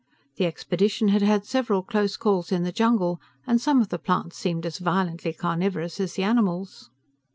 The expedition had had several close calls in the jungle, and some of the plants seemed as violently carnivorous as the animals.